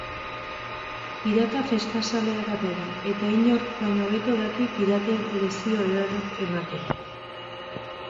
Pirata festazalea da bera eta inork baino hobeto daki piraten lezio ederrak ematen.